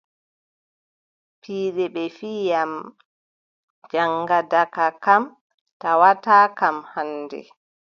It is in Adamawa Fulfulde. Piiɗe ɗe fiyi am, yaŋgada ka kam tawataakam hannde.